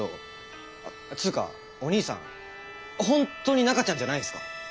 つうかおにいさん本当に中ちゃんじゃないんすか？